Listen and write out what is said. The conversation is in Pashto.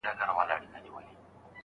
خوله خوله یمه خوږیږي مي د پښو هډونه